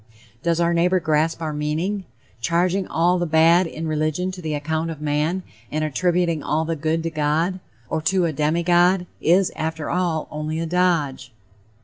Does our neighbor grasp our meaning? Charging all the bad in a religion to the account of man, and attributing all the good to God, or to a demi god, is, after all, only a dodge.